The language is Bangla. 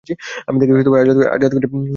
আমি তাকে আযাদ করে দিয়েছি।